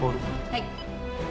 はい。